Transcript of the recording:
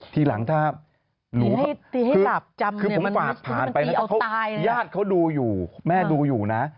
ทีหลังถ้าหนูคือผมฝากผ่านไปแม่ดูอยู่นะ